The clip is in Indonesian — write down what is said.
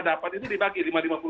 dapat itu dibagi rp lima lima ratus